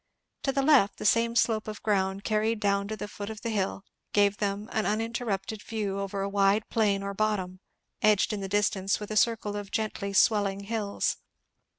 To the left the same slope of ground carried down to the foot of the hill gave them an uninterrupted view over a wide plain or bottom, edged in the distance with a circle of gently swelling hills.